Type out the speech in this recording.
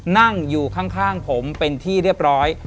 นั่งอยู่ข้างผมเป็นที่เรียบร้อย